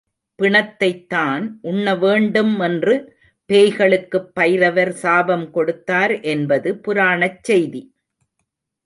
பிணத்தைத்தான் உண்ண வேண்டுமென்று பேய்களுக்குப் பைரவர் சாபம் கொடுத்தார் என்பது புராணச் செய்தி.